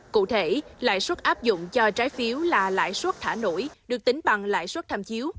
cụ thể lãi suất áp dụng cho trái phiếu là lãi suất thả nổi được tính bằng lãi suất tham chiếu